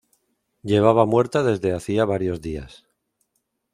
Llevaba muerta desde hacía varios días.